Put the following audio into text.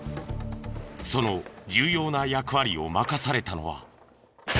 その重要な役割を任されたのは。